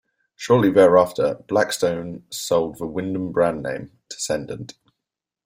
Shortly thereafter, Blackstone sold the Wyndham brand name to Cendant.